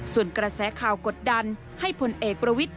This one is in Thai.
ส่วนกระแสข่าวกดดันให้พลเอกประวิทธิ